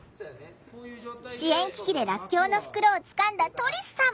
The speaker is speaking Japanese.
支援機器でらっきょうの袋をつかんだトリスさん。